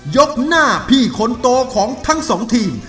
ยกหน้าพี่คนโตของทั้งสองทีม